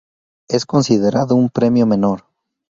Es considerado un premio menor.